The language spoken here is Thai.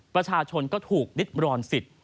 ประชาชนก็ถูกดิดบรอนสิทธิ